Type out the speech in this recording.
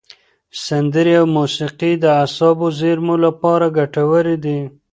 سندرې او موسیقي د اعصابو زېرمو لپاره ګټورې دي.